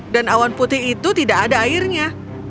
dan awan putih itu tidak ada airnya